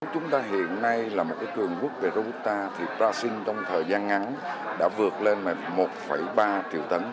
chúng ta hiện nay là một cái cường quốc về rô bút ta thì brazil trong thời gian ngắn đã vượt lên một ba triệu tấn